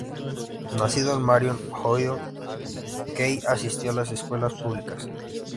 Nacido en Marion, Ohio, Key asistió a las escuelas públicas.